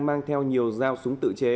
mang theo nhiều dao súng tự chế